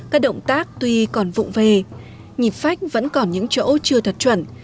các động tác tuy còn vụn về nhịp phách vẫn còn những chỗ chưa thật chuẩn